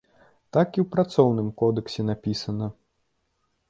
Так і ў працоўным кодэксе напісана.